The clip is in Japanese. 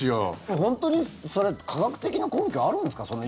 本当にそれ科学的な根拠あるんですか？